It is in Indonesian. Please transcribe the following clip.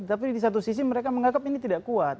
tapi di satu sisi mereka menganggap ini tidak kuat